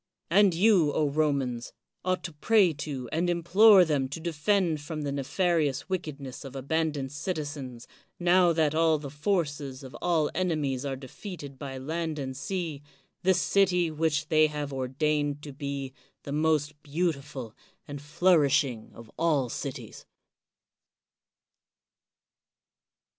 And you, Romans, ought to pray to and implore them to defend from the nefarious wickedness of abandoned citizens, now that all the forces of all enemies are defeated by land and sea, this city which they have ordained to be the most beautiful and flourishing of all cities.